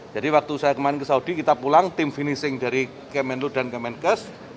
jadi waktu saya kemarin ke saudi kita pulang tim finishing dari kemenlu dan kemenkes